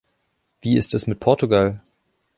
Wie ist es mit Portugal?